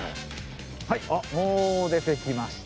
はいもう出てきました。